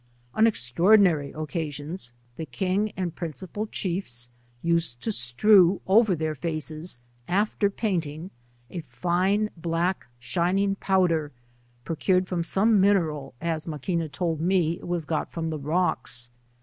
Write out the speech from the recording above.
On extraor dinary occasions, the king and principal chiefs used to strew over their faces, afler painting, a fine black si^iioing powder, procured from some mineral, as :iqu!na told me it was got from the rocks.